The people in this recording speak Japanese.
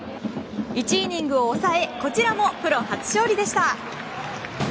１イニングを抑えこちらもプロ初勝利でした。